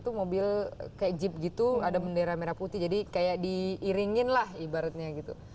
itu mobil kayak jeep gitu ada bendera merah putih jadi kayak diiringin lah ibaratnya gitu